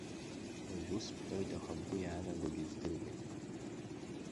Уажәы ус бҳәоит, аха бгәы иаанагогьы здыруеит!